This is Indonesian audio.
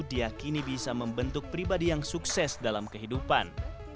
diakini bisa membentuk pribadi yang sukses dalam kehidupan